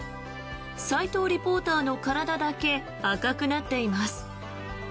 齋藤リポーターの体だけ赤くなっています。